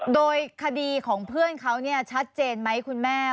โดยคดีของเพื่อนเขาชัดเจนไหมคุณแม่